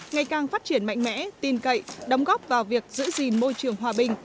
ngày càng phát triển mạnh mẽ tin cậy đóng góp vào việc giữ gìn môi trường hòa bình